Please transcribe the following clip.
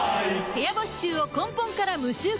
部屋干し臭を根本から無臭化